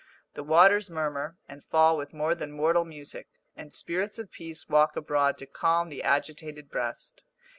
The waters murmur, and fall with more than mortal music, and spirits of peace walk abroad to calm the agitated breast.